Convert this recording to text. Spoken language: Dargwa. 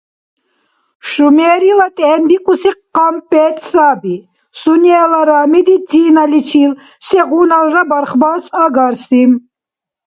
Шумерила тӀембикӀуси къампетӀ саби, сунелара медициналичил сегъуналра бархбас агарси.